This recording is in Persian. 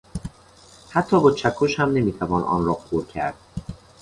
حتی با چکش هم نمیتوان آن را غر کرد.